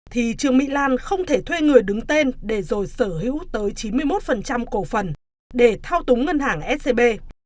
thì trương mỹ lan không thể thuê người đứng tên để rồi sở hữu tới chín mươi một cổ phần để thao túng ngân hàng scb